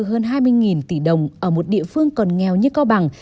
hơn hai mươi tỷ đồng ở một địa phương còn nghèo như cao bằng